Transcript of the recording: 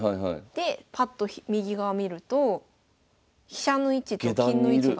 でパッと右側見ると飛車の位置と金の位置が。